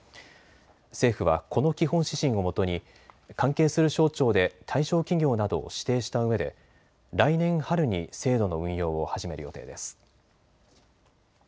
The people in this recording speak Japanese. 政府はこの基本指針をもとに関係する省庁で対象企業などを指定したうえで来年春に制度の運用を始める予定です。